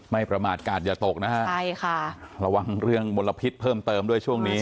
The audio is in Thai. ประมาทกาศอย่าตกนะฮะใช่ค่ะระวังเรื่องมลพิษเพิ่มเติมด้วยช่วงนี้